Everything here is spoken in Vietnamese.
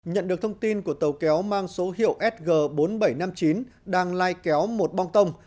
nhận được thông tin của tàu kéo mang số hiệu sg bốn nghìn bảy trăm năm mươi chín đang lai kéo một băng tông